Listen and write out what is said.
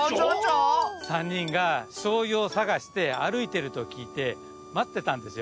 さんにんがしょうゆをさがしてあるいてるときいてまってたんですよ。